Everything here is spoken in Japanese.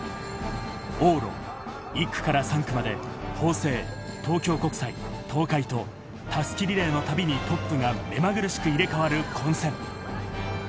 往路１区から３区まで法政、東京国際、東海と襷リレーのたびにトップが目まぐるしく入れ替わる混戦。